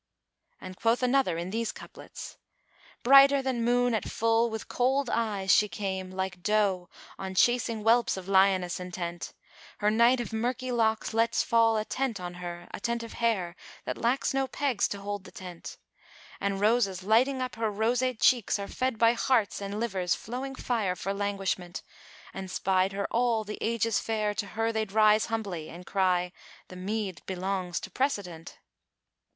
And quoth another in these couplets, "Brighter than Moon at full with kohl'd eyes she came * Like Doe, on chasing whelps of Lioness intent: Her night of murky locks lets fall a tent on her * A tent of hair[FN#424] that lacks no pegs to hold the tent; And roses lighting up her roseate cheeks are fed * By hearts and livers flowing fire for languishment: An 'spied her all the Age's Fair to her they'd rise * Humbly,[FN#425] and cry 'The meed belongs to precedent!'"